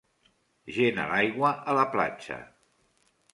Gent a l'aigua a la platja.